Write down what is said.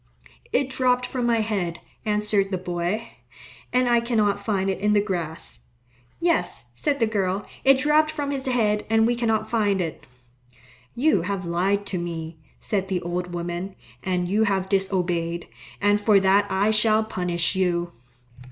"It dropped from my head," answered the boy, "and I cannot find it in the grass." "Yes," said the girl, "it dropped from his head, and we cannot find it." "You have lied to me," said the old woman, "and you have disobeyed, and for that I shall punish you."